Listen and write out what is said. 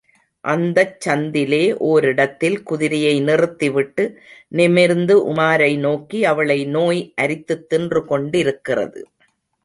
அந்தச் சந்திலே ஓரிடத்தில் குதிரையை நிறுத்தி விட்டு, நிமிர்ந்து உமாரை நோக்கி, அவளை நோய் அரித்துத் தின்று கொண்டிருக்கிறது.